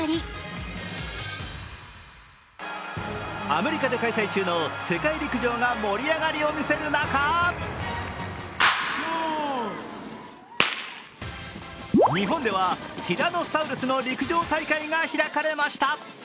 アメリカで開催中の世界陸上が盛り上がりを見せる中日本ではティラノサウルスの陸上大会が開かれました。